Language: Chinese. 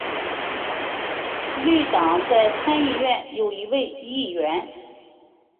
绿党在参议院有一位议员。